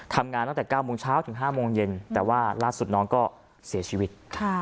ทำงานตั้งแต่๙โมงเช้าถึง๕โมงเย็นแต่ว่าล่าสุดน้องก็เสียชีวิต